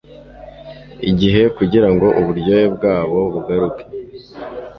igihe kugira ngo uburyohe bwabo bugaruke